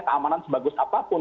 keamanan sebagus apapun